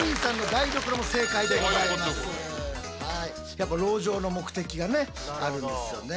やっぱ籠城の目的がねあるんですよね。